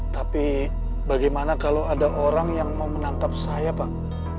tapi bagaimana kalau ada orang yang mau menangkap saya pak